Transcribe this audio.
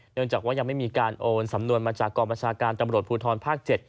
เนื่องจากว่ายังไม่มีการโอนสำนวนมาจากกองประชาการตำรวจภูทรภาค๗